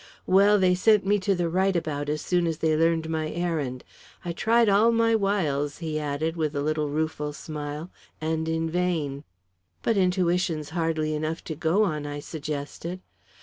Well, they sent me to the right about as soon as they learned my errand. I tried all my wiles," he added, with a little rueful smile, "and in vain." "But intuition's hardly enough to go on," I suggested.